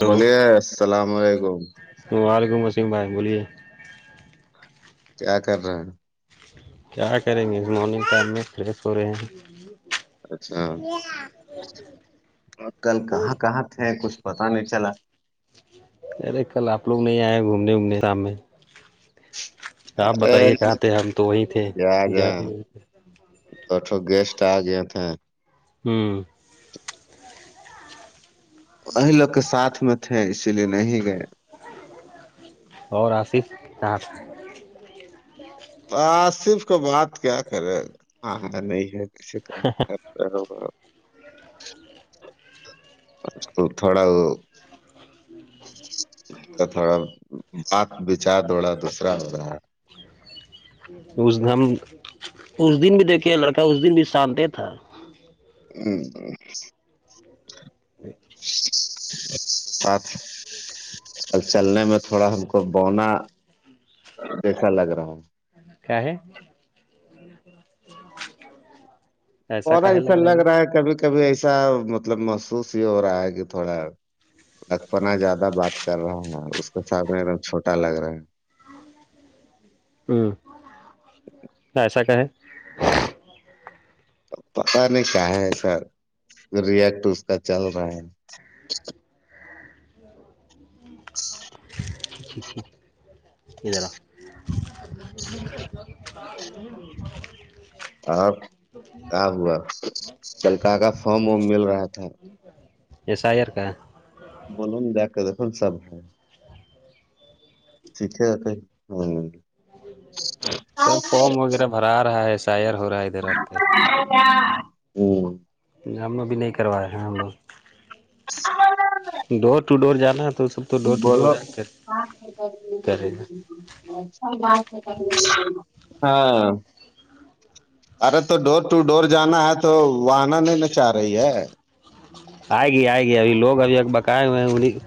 hello بولیے السلام علیکم وعلیکم السللم بھائی بولیے کیا کر رہا ہے کیا کریں گے اس مارننگ ٹائم میں فریش ہو رہے ہیں اچھا آ کل کہاں کہاں تھے کچھ پتا نہیں چلا ارے کل آپ لوگ نہیں آئے گھومنے وومنے شام میں آپ ارے بتائیے کہاں تھے ہم تو وہیں تھے یاد ہے جاتے توٹھ گیسٹ آ گیا تھے ہوں وہی لوگ کے ساتھ میں تھے اسی لیے نہیں گئے اور آصف کہاں تو آصف کا بات کیا کرےا ہاں نہیں ہے کسی کا ا تھوڑا تو تھوڑا بات وچار دوڑا دوسرا ہو رہا ہے [inaudible] اس ہم اس دن بھی دیکھے لڑکا اس دن بھی شانت تھا ا [inaudible] جچ سات اب چلنے میں تھوڑا ہم کو بونا جسا لگ رہا ہے کیااہے تھڑا ایسا لگ رہا ہے کبھی کبھی ایسا مطلب محسوس ہی ہو رہا ہے کہ تھوڑا لکپناہ زیادہ بات کر رہا ہے اس کے ساتھنے ایک دم چھوٹا لگ رہا ہے ایسا کا ہے پتا نہیں کیا ہے سر ریٹ اس کا چل رہا ہے ا ادھرا [inaudible] اور کیا ہوا چلک کا فارم وم مل رہا تھا یساہارکا بن د دیکھن سب ہے ٹھیک ہے کہ ہ سب فارم وغیرہ بھرا رہا ہے شائر ہو رہا ہے ادھر اور [inaudible] جام ا بھی نہیں کروائےے ہیں ہم لوگ س ہے ڈور ٹو ڈور جانا ہے توب بولوچ کرے گا ہزار ہاں ارے تو ڈور ٹو ڈور جانا ہے تو واہنا نہیں ن چاہ رہی ہے آئے گی آئے گی ابھی لوگ ابھی ا بکائے ہوئے ہیں انہیں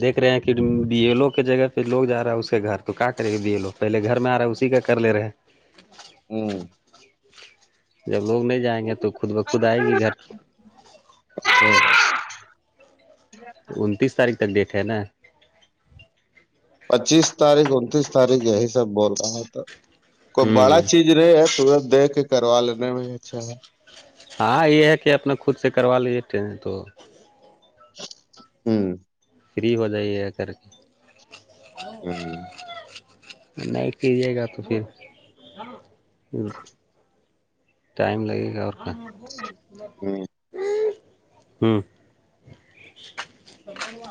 دیک رہے ہیں کہ ڈی ایل او کے جگہ پہ لوگ جا رہا ہے اس کے گھر تو کاٹے دے لو پہلے گھر میں آ رہا ہے اسی کا کر لے رہے ہوں جب لوگ نہیں جائیں گے تو خود بخود آئے گی گھر انتیس تاریخ تک دیکھے ہے نا پچیس تاریخ انتیس تاریخ یہی سب بول رہا ہوں تو کوئی بڑا ہوں چیز رہے ہیں سورت دیک کے کروا لینے میں اچھا ہے ہاں یہ ہے کہ اپنا خود سے کروا لیجیے ٹرین تو ہوں فری ہو جائی یہ کر کے ہوں، نہیں پے گا تو پھر [inaudible] ٹائم لگے گا اور کہ ہ ہوں ب ہوا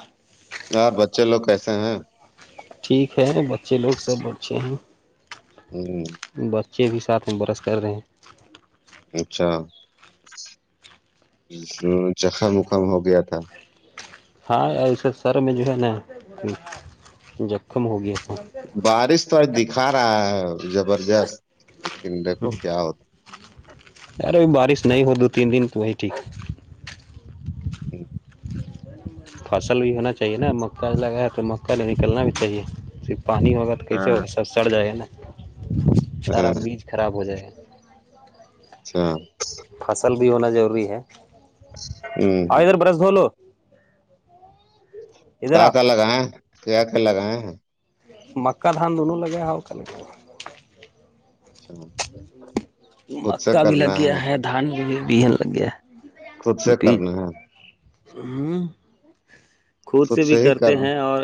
یار بچے لوگ کیسے ہیں ٹھیک ہے بچے لوگ سب اچھے ہیں ہوں بچے بھی ساتھ میں برس کر رہے ہیں اچھا زخم وخم ہو گیا تھا ہاں ای ایسے سر میں جو ہے نا جخم ہوگیا س بارش تو آج دکھا رہا ہے زبردست لیکن دیکھو کیا ہوتا یار اب بارش نہیں ہو دو تین دن کو وہی ٹھیک ج فصل بھی ہونا چاہیے نا مکہ لگا ہے تو مکا نکلنا بھی چاہیے صرف پانی ہوگا تو ہاں، کیسے ہو سب سڑ جائے گا نا ہاں، سارا بیج خراب ہو جائے گا اچھا فصل بھی ہونا ضروری ہے ہوں آؤ ہوں ادھر برس بولو ادھر کا کہ آؤ الگ کیا کیا لگ مکا دھان دونوں لگے ہوا کر اچھا خود سے مکا بھی لگ کرنا گیا ہے دھان میں بھی بہن لگ گیا ہے خود سے کرنا ہے ہ خود سے بھی کرتے ہیں اور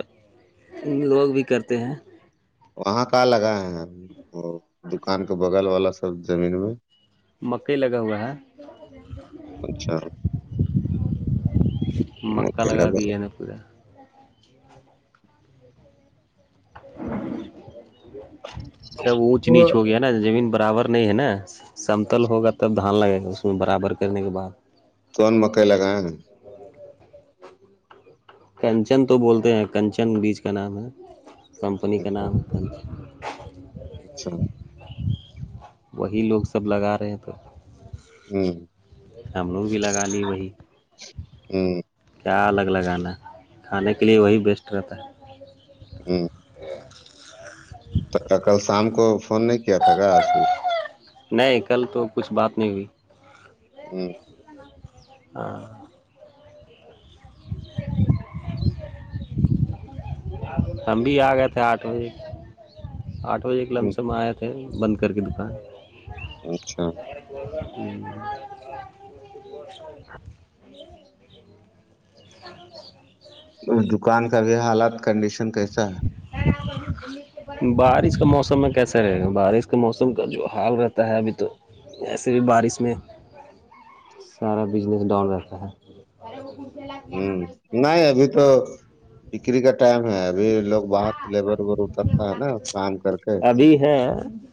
ان لوگ بھی کرتے ہیں وہاں کا لگا ہے وہ دکان کے بغل والا سب زمین میں مکئی لگا ہوا ہے اچھا مکا لگا دیے نےا پورا سب اونچ وہ نیچ ہو گیا نا زمین برابر نہیں ہے نا سمتل ہوگا تب دھان لگے گا اس میں برابر کرنے کے بعد کون مکئی لگائیں گے کنچن تو بولتے ہیں کنچن بیچ کا نام ہے کمپنی کے نامتا اچھا وہی لوگ سب لگا رہے ہیں تو ہوں ہم لوگ بھی لگا لی وہی ہوں کیا الگ لگانا ہے کھانے کے لیے وہی بیسٹ رہتا ہے ہ [unintelligible] کل شام کو فون نہیں کیا تھا گا نہیں کل تو کچھ بات نہیں ہوئی ا [unintelligible] ہاں [inaudible] ہم بھیھی آ گئے تھے آٹھ بجے آٹھ بجے کے لم سے میں آئے تھے بند کر کے دکان اچھا ہوں ا اس دکان کا بھی حالات کنڈیشن کیسا ہے [inaudible] بارش کا موسم میں کیسے رہے گا بارش کے موسم کا جو حال رہتا ہے ابھی تو ایسے بھی بارش میں سارا بزنس ڈاؤن رہتا ہے اورر وہ کھ ل ہوں نہیں ابھی تو بکری کا ٹائم ہے اب ابھی لوگ باہر لیبر وبر اترتا ہے نا کام کر کے ابھی ہے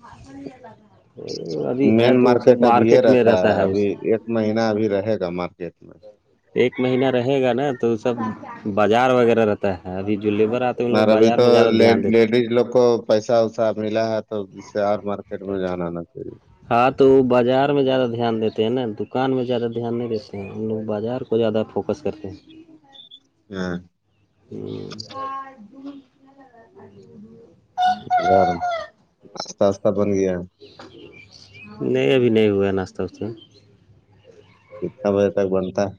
ہاں یہ ل مین مارکیٹ اب یہ رہتا ہے ابھی ایک مہین ابھی رہے گا مارکیٹ میں ایک مہینہ رہے گا نا تو سب بازار وغیرہ رہتا ہے ابھی جو لیبر آتا اورار اب تو لڈز لو پیسہ وسا ملا ہے تو سے اور مارکیٹ میں جانا آنا چاہیے ہاں تو وہ بازار میں زیادہ دھیان دیتے ہیں نا دکان میں زیادہ دھیان نہیں دیتے ہیں ہم لوگ بازار کو کو زیادہ فوکس کرتے ہیں ہاں ہوں ار آستہ آستہ بن گیا نہیں ابھی نہیں ہوا ناشتہ وشتے میں کتنا بجے تک بنتا ہے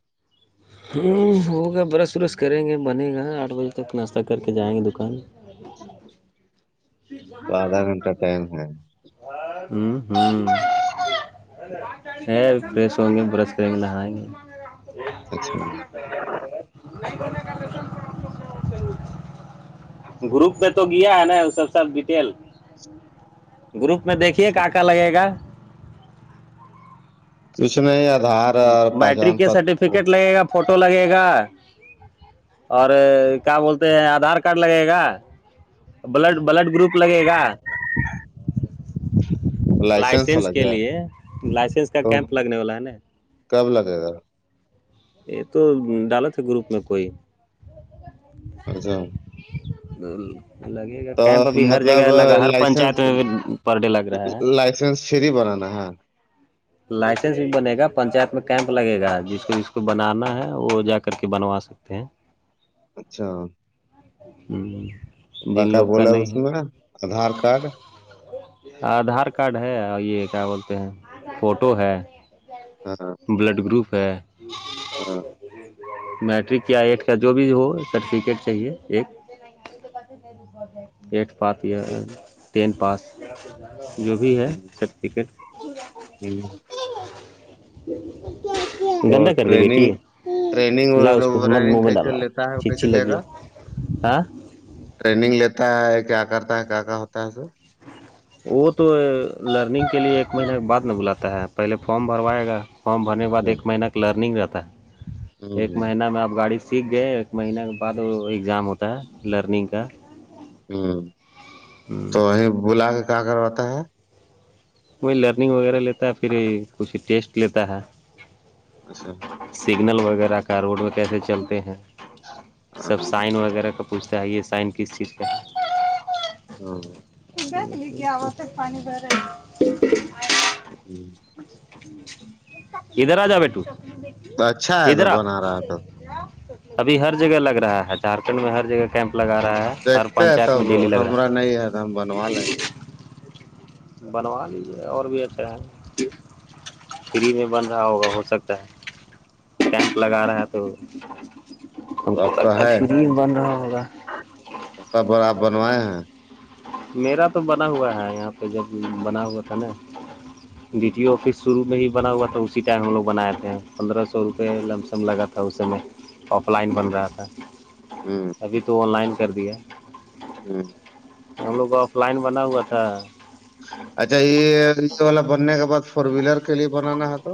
ہ ہوگا برش وورش کریں گے بنے گا آٹھ بجے تک ناشتہ کر کے جائیں گے دکان ٹھیک ہے تو آدھا گھنٹہ ٹائم ہے ہوں ہوں ہے فریش ہوں گے برش کریں گے نہائیں گے اچھا اچھا، ارے گروپ میں تو گیا ہے نا وہ سب سب ڈیٹیل گروپ میں دیکھیے کیا کا لگے گا کچ میں آدار میٹرک کے سرٹیفکیٹ لگے گا فوٹو لگے گا اور کیا بولتے ہیں آدھار کارڈ لگے گا بلڈ بلڈ گروپ لگے گا لائسنس لائسینس لگ کے گیا لیے لائسینس کا تو کیمپ لگنے والا ہے نا کب لگے گا یہ تو ڈال تھ ہے گروپ میں کوئی اچھا لگ تو کیمپ ابھی ہر جگہ مطلب الگا ہر پنچایت لائسنس میں بھی پر ڈے لگ رہا ہے شری بنانا ہاں لائسنس بھی بنے گا پنچات میں کیمپ لگے گا جس کو جس کو بنانا ہے وہ جا کر کے بنوا سکتے ہیں اچھا ہوں کا کیا بولے اس میں آدھار کارڈ آدھار کارڈ ہے اور یہ کیا بولتے ہیں فوٹو ہے ہاں ہاں بلڈ گروپ ہے میٹرک یا ایٹ کا جو بھی ہو سرٹیفکیٹ چاہیے ایک ایٹ پاس ٹین پاس جو بھی ہے سرفکٹ ہوں اور گندا کر د بیٹی ہے ٹریننگ ٹریننگ اور لا اس کوت منہ ورننگ میں کیسے ڈالنا لیتا ہے کیسے چیچھی لے لگی گا ہے ہاں ٹریننگ لیتا ہے کیا کرتا ہے کیا کیا ہوتا ہے سر وہ تو لرننگ کے لیے ایک مہینے کے بعد نہیں بلاتا ہے پہلے فم بھروائے گا فارم بھرنے کے بعد ہ ایک مہینہ کا لرننگ رہتا ہے ایک ہ مہینہ میں آپ گاڑی سے سیکھ گئے ایک مہینہ کے بعد وہ ایگزام ہوتا ہے لرننگ کا ہوں تو وہیں بلا کے کہ کرواتا ہے وہی لرننگ وغیرہ لیتا ہے پھر کچھ ٹیسٹ لیتا ہے اچھا سگنل وغیرہ کا روڈ میں کیسے چلتے ہیں سب سائن وغیرہ کا پوچھتے ہے یہ سائن کس چیز کا ہے ہاں بر لی گ آت پانی بیر ہوں یہھر راجا بیٹو اچھا ہے ادھر تو بنا رہا تو ابھی ہر جگہ لگ رہا ہے جھارکھنڈ میں ہر جگہ کیمپ لگا رہا ہے ہر دیکھتے ہیں پنچایت تب میں ڈیلی لگ رہا ہما نہیں ہے تو ہم بنوا لیں گے بنوا لیجیے اور بھی ایچھے ہیں فری میں بن رہا ہوگا ہو سکتا ہے مپ لگا رہا ہے تو ہم کو آپ کا ل ہے فری بند رہا ہوا کب آپ بنوائے ہیں میرا تو بنا ہوا ہے یہاں پہ جب بنا ہوا تھا نا ڈی ٹی آفس شروع میں ہی بنا ہوا تھا اسی ٹائم ہم لوگ بنائے تھے پندرہ سو روپئے لم سم لگا تھا اس میں آف لائن بن رہا تھا ہ ہ ابھی تو آن لائن کر دیا ہاں ہم لوگ کو آف لائن بنا ہوا تھا اچھا یہ یہ والا بننے کے بعد فور ویلر کے لیے بنانا ہے تو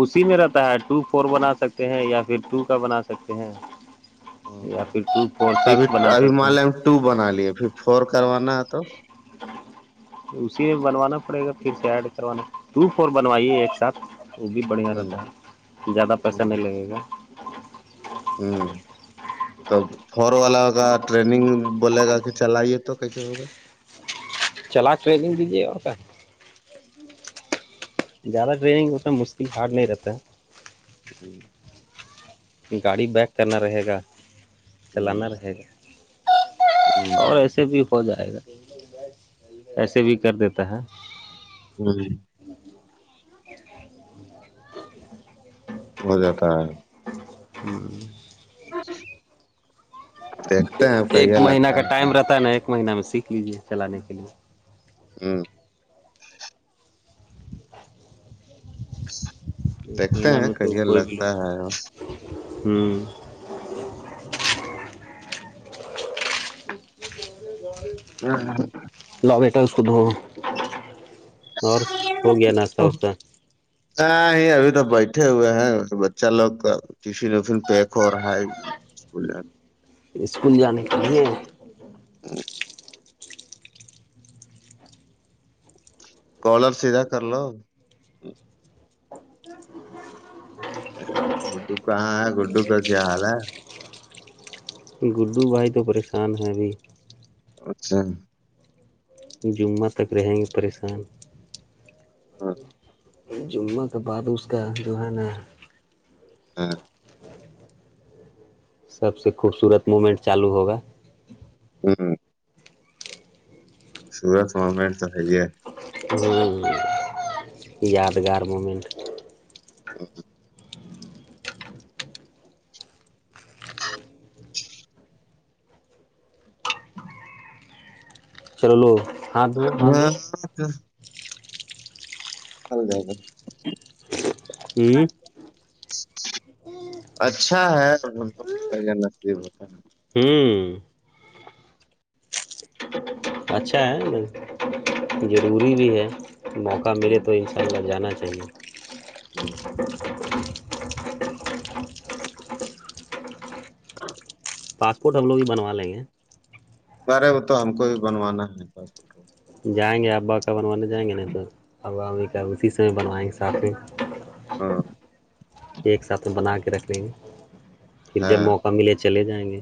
اسی میں رہتا ہے ٹو فور بنا سکتے ہیں یا پھر ٹو کا بنا سکتے ہیں یا تو پھر ٹو فور سکس ابھی بنا ابھی سکتے مان ہیں لیں ہم ٹو بنا لیے پھر فور کروانا ہے تو اسی میں بنوانا پڑے گا پھر سے ایڈ کروانا ٹو فور بنوائیے ایک ساتھ وہ بھی بڑھیا ہوں رہتا ہے زیادہ پیسہ نہیں لگے گا ہاں [inaudible] تو فور والا کا ٹریگ بولے گا کہ چلائیے تو کیسے ہو چلا کر دیجی ا س زیادہ ٹریننگ ہوتا ہے مشکل ہارڈ نہیں رہتا ہے ہوں گاڑی بیک کرنا رہے گا ہ چلانا ہ رہے گا اور ایسے بھی ہو جائے گا ایسے بھی کر دیتا ہے ہوں ہو جاتا ہے ہوں ہاں ایک مہین کا ٹائم رہتا ہے نا ایک مہینہ میں سیکھ لیجیے چلانے کے لیے ہاں ایک دیکھتے مہینہ ہیں میں تو کہیا کوئی بھی لو لگتا ہے ہوں ہوں لا بیٹا اس کو د اور ہو گیا ناشتہ واشہ ہاں ہی ابھی تو بیٹھے ہوئے ہیں بچہ لوگ کا فن وفن پیک ہو رہا ہےول اسکول جانے کے لیے ہ [inaudible] کالر سیدھا کر لو [unintelligible] گڈو کہاں ہے گڈو کا کیا حال ہے [inaudible] گڈو بھائی تو پریشان ہیں ابھی اچھا جمعہ تک رہیں گے پریشان ہاں [inaudible] جمعہ کے بعد اس کا جو ہے نا [inaudible] ہاں [inaudible] سب سے خوبصورت موومنٹ چالو ہوگا ہوں [inaudible] سورت ممنٹ تو ہے ہی ہے [inaudible] ب یادگار مومنٹ [inaudible] ا [inaudible] چللو ہاں [inaudible] اگا گا [inaudible] ہوں [inaudible] اچھا ہے نصیب ہوتا ہے [inaudible] ہوں [inaudible] اچھا ہے نہیں ضروری بھی ہے [inaudible] موقع ملے تو ان شاء اللہ جانا چاہیے [inaudible] جی [inaudible] ہ [inaudible] پاسپورٹ ہم لوگ بنا لیں گے ارے وہ تو ہم کو بھی بنوانا ہےاس [inaudible] جائیں گے ابا کا بنوانے جائیں گے نہیں تو ابا اب کا اسی سے بنوائیں گے سات میں [inaudible] ہاں [inaudible] ایک ساتھ میں بنا کے رکھ لیں گے پھر جب ہاں موقع ملے چلے جائیں گے